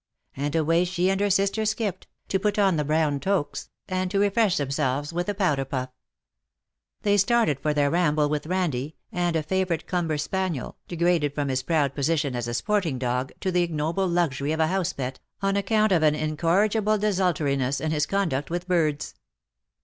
^' And away she and her sister skipped, to put on the brown toques, and to refresh themselves with a powder puff. They started for their ramble with Randie, and a favourite Clumber spaniel, degraded from his proud position as a sporting dog, to the ignoble luxury of a house pet, on account of an incorrigible desultori ness in his conduct with birds.